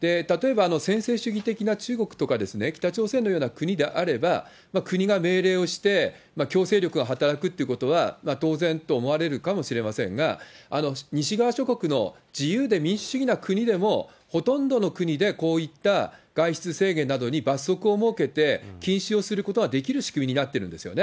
例えば専制主義的な中国とか北朝鮮のような国であれば、国が命令をして、強制力が働くということは当然と思われるかもしれませんが、西側諸国の自由で民主主義な国でも、ほとんどの国でこういった外出制限などに罰則を設けて、禁止をすることができる仕組みになってるんですよね。